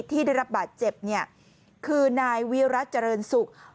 ที่ได้รับบาดเจ็บคือนายวิรัติเจริญสุข